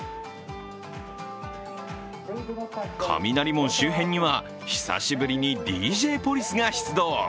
雷門周辺には、久しぶりにＤＪポリスが出動。